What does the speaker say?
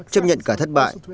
chấp nhận cả thất bại